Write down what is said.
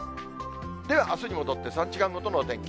では、あすに戻って３時間ごとのお天気。